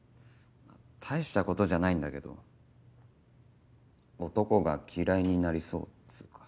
大したことじゃないんだけど男が嫌いになりそうっつうか。